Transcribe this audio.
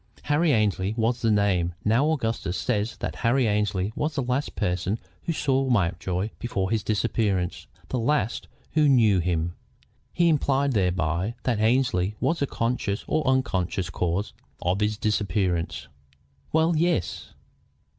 "Harry Annesley was the name. Now, Augustus says that Harry Annesley was the last person who saw Mountjoy before his disappearance, the last who knew him. He implies thereby that Annesley was the conscious or unconscious cause of his disappearance." "Well, yes."